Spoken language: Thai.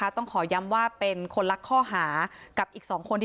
นายพงพัฒน์อายุ๒๒ปีหนุ่มคนสนิทของน้องดาวก็๒ขอหาเหมือนกันค่ะ